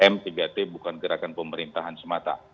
tiga m tiga t bukan gerakan pemerintahan semata